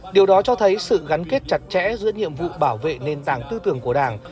điều đó cho thấy sự gắn kết chặt chẽ giữa nhiệm vụ bảo vệ nền tảng tư tưởng của đảng